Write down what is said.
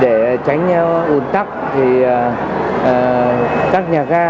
để tránh ủn tắc thì các nhà ga